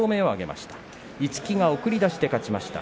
一木が送り出しで勝ちました。